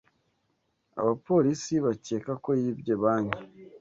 Abapolisi bakeka ko yibye banki.